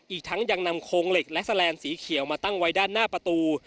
อีกทั้งยังนำโครงเหล็กและแลนสีเขียวมาตั้งไว้ด้านหน้าประตู